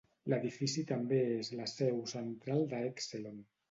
L'edifici també és la seu central de Exelon.